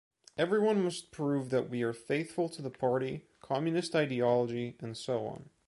Everyone must prove that we are faithful to the party, communist ideology, and so on.